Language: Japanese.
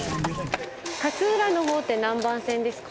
勝浦のほうって何番線ですか？